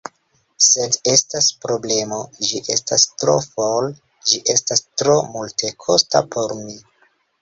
Sed estas problemo: ĝi estas tro for, ĝi estas tro multekosta por mi.